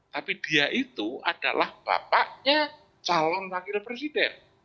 tapi dia itu adalah bapaknya calon wakil presiden